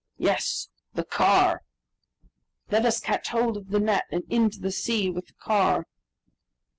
"Yes! the car!" "Let us catch hold of the net, and into the sea with the car."